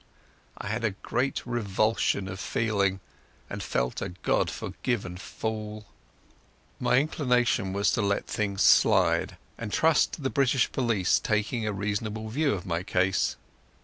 I had a great revulsion of feeling, and felt a God forgotten fool. My inclination was to let things slide, and trust to the British police taking a reasonable view of my case.